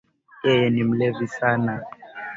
Yeye ni mlevi sana